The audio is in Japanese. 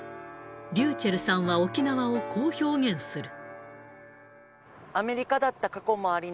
ｒｙｕｃｈｅｌｌさんは沖縄をこう表現する。